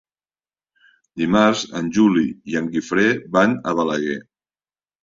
Dimarts en Juli i en Guifré van a Balaguer.